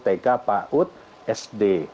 tk pak ut sd